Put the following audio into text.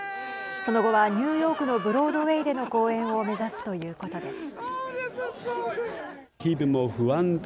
その後はニューヨークのブロードウェイでの公演を目指すということです。